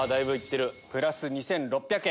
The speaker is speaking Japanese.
プラス２６００円。